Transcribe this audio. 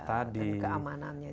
tadi keamanannya juga